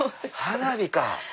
花火か！